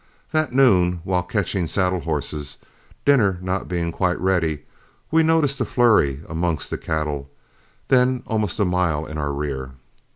That noon, while catching saddle horses, dinner not being quite ready, we noticed a flurry amongst the cattle, then almost a mile in our rear.